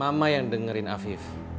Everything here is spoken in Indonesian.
mama yang dengerin afif